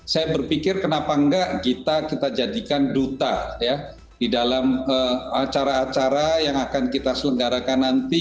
saya berpikir kenapa enggak kita jadikan duta di dalam acara acara yang akan kita selenggarakan nanti